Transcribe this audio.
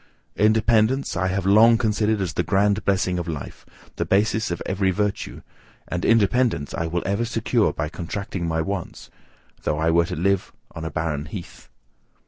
Independence I have long considered as the grand blessing of life, the basis of every virtue; and independence I will ever secure by contracting my wants, though I were to live on a barren heath.